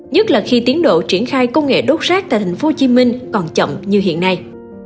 nhất là khi tiến độ triển khai công nghệ đốt rác tại thành phố hồ chí minh còn chậm như hiện nay